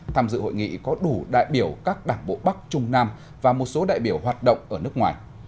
tham dự hội nghị có đủ đại biểu các đảng bộ bắc trung nam và một số đại biểu hoạt động ở nước ngoài